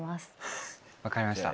フッ分かりました。